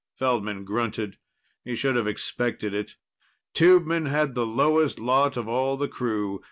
Feldman grunted. He should have expected it. Tubemen had the lowest lot of all the crew.